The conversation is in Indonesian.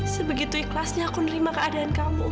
sebegitu ikhlasnya aku nerima keadaan kamu